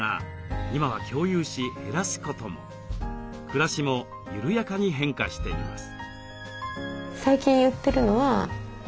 暮らしも緩やかに変化しています。